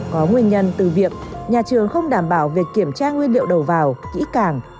có nguyên nhân từ việc nhà trường không đảm bảo việc kiểm tra nguyên liệu đầu vào kỹ càng